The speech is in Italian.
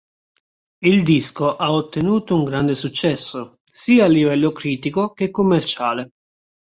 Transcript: Il disco ha ottenuto un grande successo, sia a livello critico che commerciale.